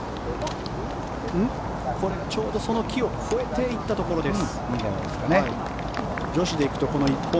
ちょうどその木を越えていったところです。